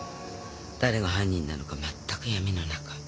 誰が犯人なのかまったく闇の中。